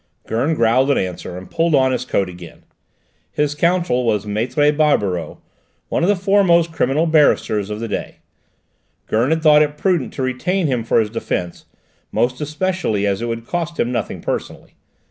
Gurn growled an answer and pulled on his coat again. His counsel was Maître Barberoux, one of the foremost criminal barristers of the day; Gurn had thought it prudent to retain him for his defence, more especially as it would cost him nothing personally.